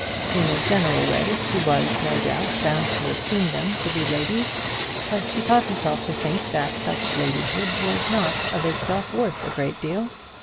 In a general way she was, no doubt, bound to assume them to be ladies; but she taught herself to think that such ladyhood was not of itself worth a great deal.